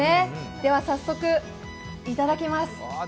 では早速いただきます。